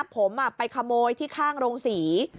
ผมอ่ะไปขโมยที่คล่างโรงสี